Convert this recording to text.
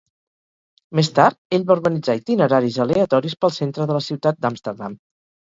Més tard, ell va organitzar itineraris aleatoris pel centre de la ciutat d"Amsterdam.